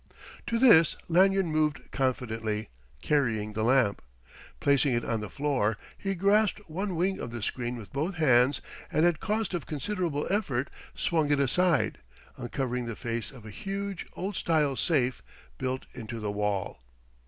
To this Lanyard moved confidently, carrying the lamp. Placing it on the floor, he grasped one wing of the screen with both hands, and at cost of considerable effort swung it aside, uncovering the face of a huge, old style safe built into the wall.